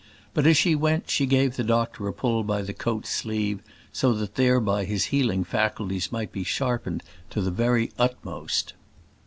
But as she went she gave the doctor a pull by the coat's sleeve, so that thereby his healing faculties might be sharpened to the very utmost.